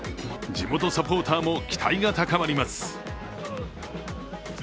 地元サポーターも期待が高まります。